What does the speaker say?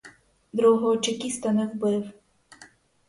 Другого чекіста не вбив.